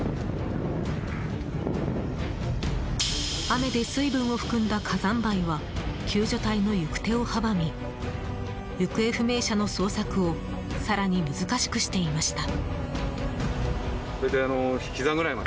雨で水分を含んだ火山灰は救助隊の行く手を阻み行方不明者の捜索を更に難しくしていました。